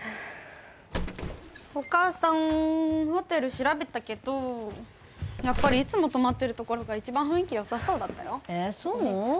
お母さんホテル調べたけどやっぱりいつも泊まってるところが一番雰囲気よさそうだったよええそう？